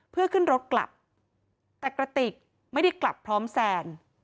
เพื่อขึ้นรถกลับแต่กระติกไม่ได้กลับพร้อมแซน